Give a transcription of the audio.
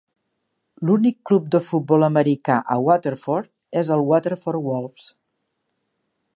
L'únic club de futbol americà a Waterford és el Waterford Wolves.